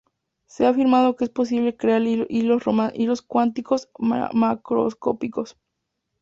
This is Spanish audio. Se ha afirmado que es posible crear hilos cuánticos macroscópicos.